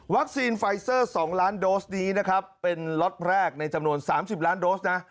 ไฟเซอร์๒ล้านโดสนี้นะครับเป็นล็อตแรกในจำนวน๓๐ล้านโดสนะ